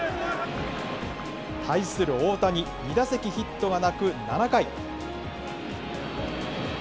対する大谷、２打席ヒットはなく７回。